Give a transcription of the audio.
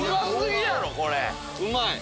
うまい。